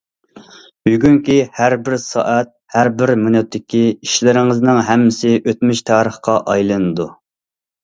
بۈگۈنكى ھەربىر سائەت، ھەربىر مىنۇتتىكى ئىشلىرىڭىزنىڭ ھەممىسى ئۆتمۈش تارىخقا ئايلىنىدۇ.